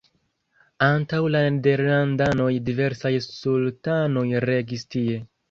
Antaŭ la nederlandanoj diversaj sultanoj regis tie.